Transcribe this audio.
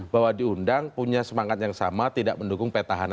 bahwa diundang punya semangat yang sama tidak mendukung petahana